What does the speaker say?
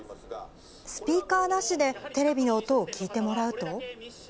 スピーカーなしでテレビの音を聞いてもらうと。